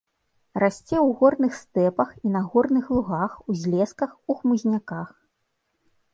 Расце ў горных стэпах і на горных лугах, узлесках, у хмызняках.